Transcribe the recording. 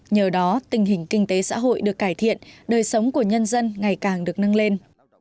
nhờ đó tình hình kinh tế xã hội được cải thiện đời sống của nhân dân ngày càng được nâng lên